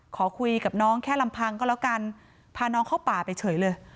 ขอคุยกับน้องแค่ลำพังก็แล้วกันพาน้องเข้าป่าไปเฉยเลย